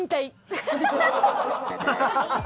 ハハハハ！